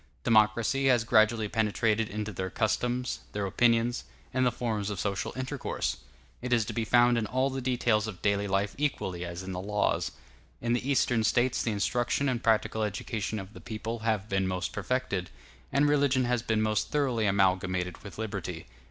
Democracy has gradually penetrated into their customs, their opinions, and the forms of social intercourse; it is to be found in all the details of daily life equally as in the laws. In the Eastern States the instruction and practical education of the people have been most perfected, and religion has been most thoroughly amalgamated with liberty.